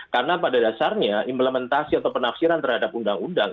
karena pada dasarnya implementasi atau penafsiran terhadap undang undang ite